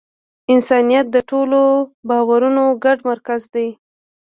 انسانیت د ټولو باورونو ګډ مرکز دی.